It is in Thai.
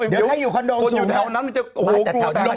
เดี๋ยวถ้าอยู่คอนโดงสูง